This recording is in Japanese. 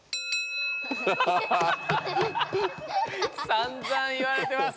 さんざん言われてます。